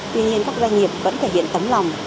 tuy nhiên các doanh nghiệp vẫn thể hiện tấm lòng